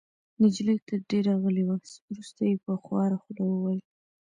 نجلۍ تر دېره غلې وه. وروسته يې په خواره خوله وویل: